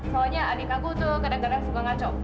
soalnya adik aku tuh kadang kadang suka ngaco